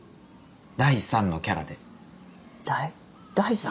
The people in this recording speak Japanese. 第３のキャラで第第３？